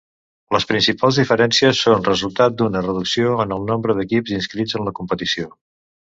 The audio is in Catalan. Les principals diferències són resultat d'una reducció en el nombre d'equips inscrits en la competició.